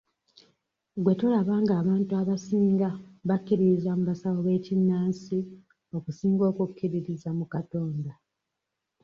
Gwe tolaba ng'abantu abasinga bakkiririza mu basawo b'ekinnansi okusinga okukkiririza mu Katonda?